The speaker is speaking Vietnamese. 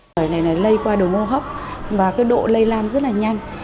sởi này lây qua đồ mô hấp và cái độ lây lan rất là nhanh